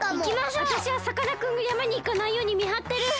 わたしはさかなクンがやまにいかないようにみはってる！